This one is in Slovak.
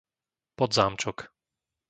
Podzámčok